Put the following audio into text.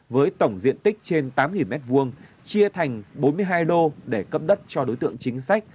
với tổng diện tích trên tám m hai chia thành bốn mươi hai đô để cấp đất cho đối tượng chính sách